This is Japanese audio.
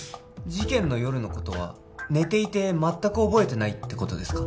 事件の夜のことは寝ていてまったく覚えてないってことですか？